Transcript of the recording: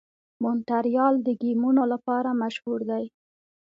مونټریال د ګیمونو لپاره مشهور دی.